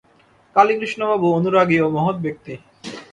কালীকৃষ্ণবাবু অনুরাগী ও মহৎ ব্যক্তি।